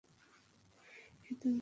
হেই, তুমি ঠিক আছ?